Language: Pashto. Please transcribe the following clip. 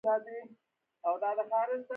دوی ته مې د ټکټ رانیولو لپاره څه پېسې ورکړې.